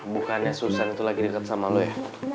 bukannya susan itu lagi dekat sama lo ya